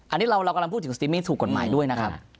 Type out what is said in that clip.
อันนี้เรากำลังพูดถึงสติมีถูกกฎหมายด้วยนะครับ